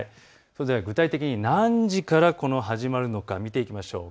それでは具体的に何時から始まるのか見ていきましょう。